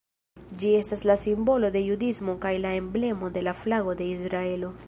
Ĝi estas la simbolo de judismo kaj la emblemo de la flago de Israelo.